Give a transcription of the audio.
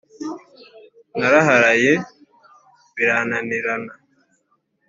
naraharaye birananirana